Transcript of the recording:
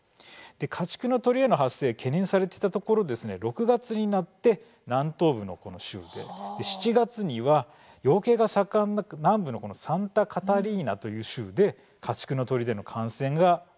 家畜の鶏への発生懸念されていたところ６月になって南東部のこの州で７月には養鶏が盛んな南部のサンタカタリーナという州で家畜の鶏での感染が確認されました。